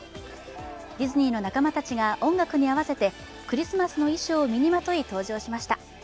ディズニーの仲間たちが音楽に合わせてクリスマスの衣装を身にまとい登場しました。